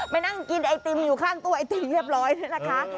นั่งกินไอติมอยู่ข้างตัวไอติมเรียบร้อยด้วยนะคะ